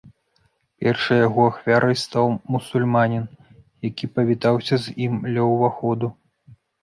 Першай яго ахвярай стаў мусульманін, які павітаўся з ім ля ўваходу.